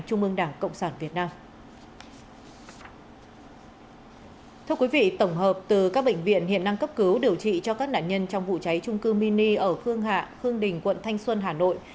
thưa quý vị tổng hợp từ các bệnh viện hiện năng cấp cứu điều trị cho các nạn nhân trong vụ cháy trung cư mini ở khương hạ khương đình quận thanh xuân hà nội